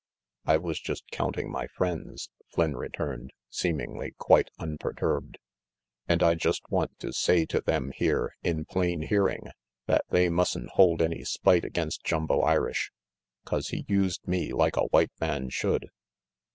"I was just counting my friends," Flynn returned, seemingly quite unperturbed. "And I just want to say to them here, in plain hearing, that they must'n hold any spite against Jumbo Irish, 'cause he used me like a white man should."